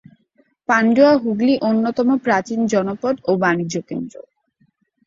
পান্ডুয়া হুগলী অন্যতম প্রাচীন জনপদ ও বাণিজ্যকেন্দ্র।